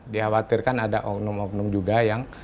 dikhawatirkan ada oknum oknum juga yang